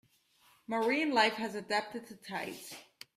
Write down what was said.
Marine life has adapted to tides.